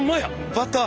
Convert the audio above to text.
バター。